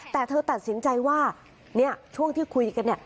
แต่เธอตัดสินใจว่าช่วงที่คุยกัน